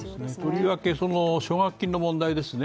とりわけ奨学金の問題ですね。